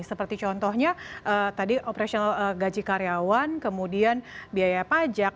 seperti contohnya tadi operational gaji karyawan kemudian biaya pajak